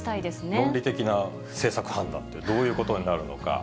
論理的な政策判断ってどういうことになるのか。